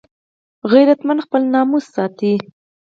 غیرتمند خپل ناموس ساتي